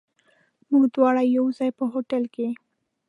موږ دواړه یو ځای، په هوټل کې.